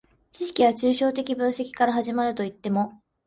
知識は抽象的分析から始まるといっても、